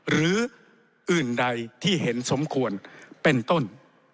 หรืออื่นใดที่เห็นสมควรเป็นต้น